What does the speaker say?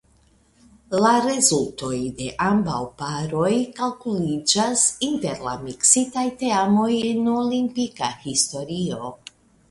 La rezultoj de ambaŭ paroj kalkuliĝas inter la miksitaj teamoj en olimpika historio.